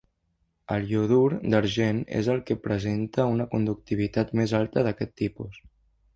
El iodur d'argent és el que presenta una conductivitat més alta d'aquest tipus.